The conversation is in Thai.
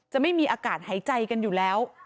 ไม่มีอากาศหายใจกันอยู่แล้ว